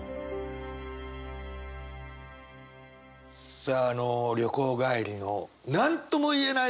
さああの旅行帰りの何とも言えない